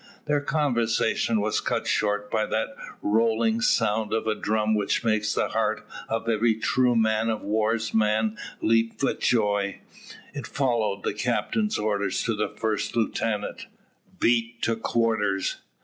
Their conversation was cut short by that rolling sound of a drum which makes the heart of every true man of war's man leap with joy. It followed the captain's order to the first lieutenant, "Beat to quarters."